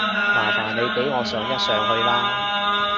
麻煩你俾我上一上去啦